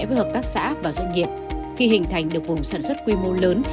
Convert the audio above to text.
với hợp tác xã và doanh nghiệp khi hình thành được vùng sản xuất quy mô lớn